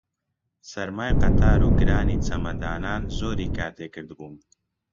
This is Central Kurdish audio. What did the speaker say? سەرمای قەتار و گرانی چەمەدانان زۆری کار تێ کردبووم